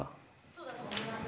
そうだと思います。